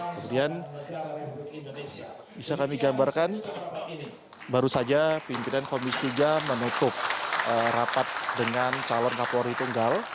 kemudian bisa kami gambarkan baru saja pimpinan komisi tiga menutup rapat dengan calon kapolri tunggal